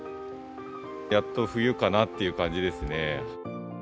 やっと冬かなっていう感じですね。